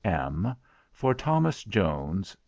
M._ for THOMAS IONES.